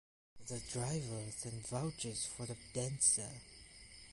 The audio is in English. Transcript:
The driver then vouches for the dancer.